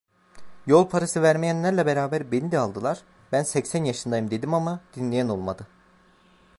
Yol parası vermeyenlerle beraber beni de aldılar; ben seksen yaşındayım dedim ama, dinleyen olmadı.